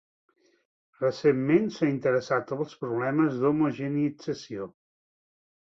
Recentment s'ha interessat pels problemes d'homogeneïtzació.